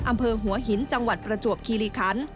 อำเภอหัวหินจังหวัดประจวบคีริคัน